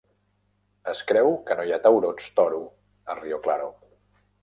Es creu que no hi ha taurons toro a Rio Claro.